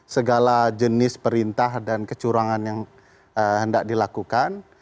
segala jenis perintah dan kecurangan yang hendak dilakukan